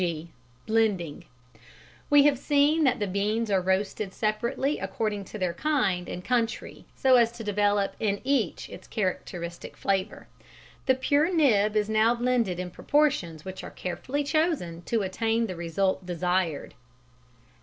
(g) Blending. We have seen that the beans are roasted separately according to their kind and country so as to develop in each its characteristic flavour. The pure nib is now blended in proportions which are carefully chosen to attain the result desired.